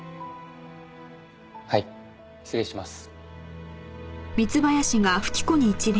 はい失礼します。